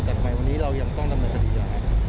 แต่ทำไมวันนี้เรายังต้องดำเนินคดีอย่างไร